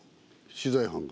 取材班が。